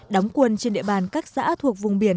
đóng quân trên địa bàn các xã thuộc vùng biển